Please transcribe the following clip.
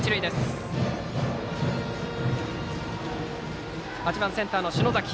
バッターは８番センターの篠崎。